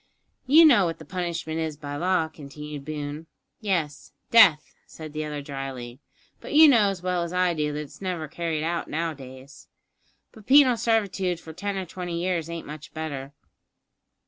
"You know what the punishment is by law," continued Boone. "Yes death," said the other drily; "but you know as well as I do that it's never carried out nowadays." "But penal servitude for ten or twenty years ain't much better."